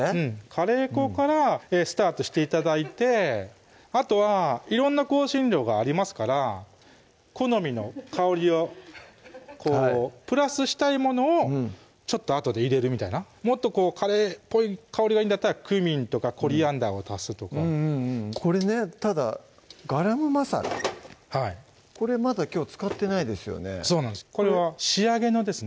カレー粉からスタートして頂いてあとは色んな香辛料がありますから好みの香りをプラスしたいものをちょっとあとで入れるみたいなもっとカレーっぽい香りがいいんだったらクミンとかコリアンダーを足すとかこれねただガラムマサラはいこれまだきょう使ってないですよねそうなんですこれは仕上げのですね